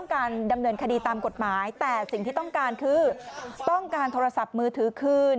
คือต้องการโทรศัพท์มือถือคืน